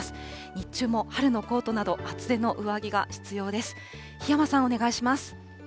日中も春のコートなど、厚手の上着が必要です。